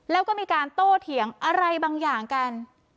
แล้วก็มีการโต้เถียงอะไรบางอย่างกัน